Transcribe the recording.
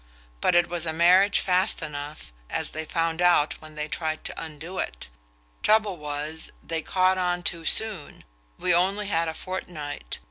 But it was a marriage fast enough, as they found out when they tried to undo it. Trouble was, they caught on too soon; we only had a fortnight.